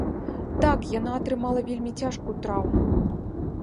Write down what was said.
Так, яна атрымала вельмі цяжкую траўму.